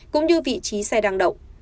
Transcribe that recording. cũng như vị trí xe đang đậu